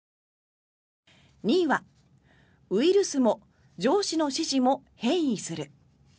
２位は「ウイルスも上司の指示も変異する」。